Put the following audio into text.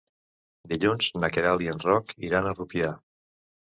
Dilluns na Queralt i en Roc iran a Rupià.